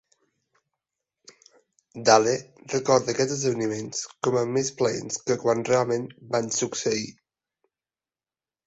Dale recorda aquests esdeveniments com a més plaents que quan realment van succeir.